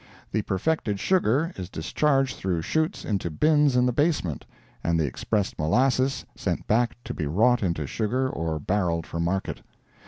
The perfected sugar is discharged through chutes into bins in the basement, and the expressed molasses sent back to be wrought into sugar or barreled for market.